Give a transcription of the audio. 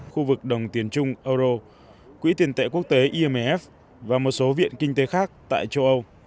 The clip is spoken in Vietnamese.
khu vực đồng tiền trung euro quỹ tiền tệ quốc tế imf và một số viện kinh tế khác tại châu âu